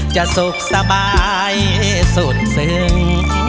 สุขสบายสุดซึ้ง